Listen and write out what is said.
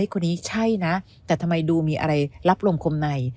คนนี้ใช่นะแต่ทำไมดูมีอะไรรับลมคมใน